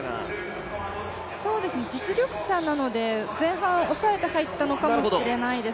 実力者なので、前半抑えて入ったのかもしれないです。